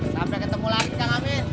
sampai ketemu lagi kang amin